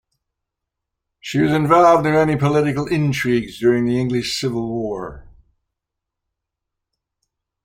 She was involved in many political intrigues during the English Civil War.